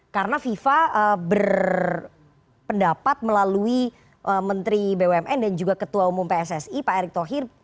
karena fifa berpendapat melalui menteri bumn dan juga ketua umum pssi pak erick thohir